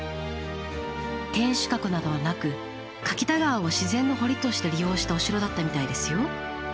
天守閣などはなく柿田川を自然の堀として利用したお城だったみたいですよ。